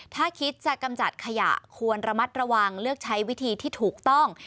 ถ้าคิดจะกำจัดขยะควรระมัดระวังเลือกใช้วิธีที่ถูกต้อง